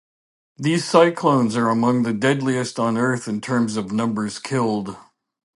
These cyclones are among the deadliest on earth in terms of numbers killed.